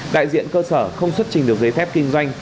đại diện cơ sở không xuất trình được giấy phép kinh doanh